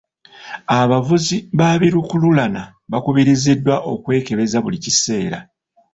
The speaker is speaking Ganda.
Abavuzi ba bi lukululana bakubiriziddwa okwekebeza buli kiseera.